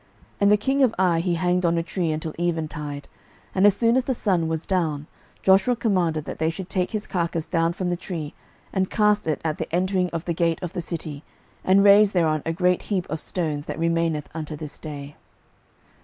06:008:029 And the king of Ai he hanged on a tree until eventide: and as soon as the sun was down, Joshua commanded that they should take his carcase down from the tree, and cast it at the entering of the gate of the city, and raise thereon a great heap of stones, that remaineth unto this day.